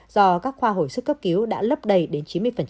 do các khoa hồi sức cấp cứu đã lấp đầy đến chín mươi